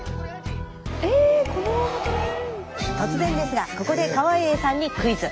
突然ですがここで川栄さんにクイズ。